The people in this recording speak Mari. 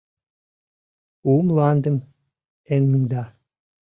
У мландым эҥда.